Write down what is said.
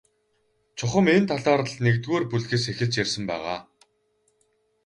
Чухам энэ талаар л нэгдүгээр бүлгээс эхэлж ярьсан байгаа.